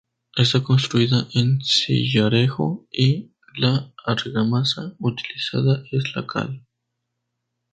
Está construida en sillarejo y la argamasa utilizada es la cal.